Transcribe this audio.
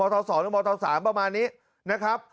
ทศหรือมธ๓ประมาณนี้นะครับ